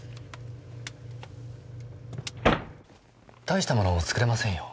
たいしたもの作れませんよ。